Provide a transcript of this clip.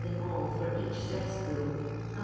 in all for each cess I>o..l. jmi..